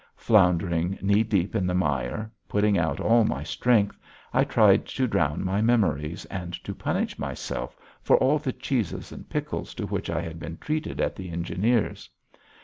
Floundering knee deep in the mire, putting out all my strength, I tried to drown my memories and to punish myself for all the cheeses and pickles to which I had been treated at the engineer's.